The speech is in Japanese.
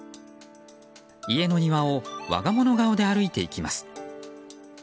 家の庭を我が物顔で歩いていきます。